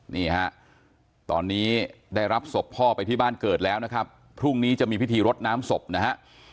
นี่ฮะตอนนี้ได้รับศพพ่อไปที่บ้านเกิดแล้วนะครับพรุ่งนี้จะมีพิธีรดน้ำศพนะฮะ